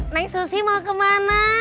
neng susi mau kemana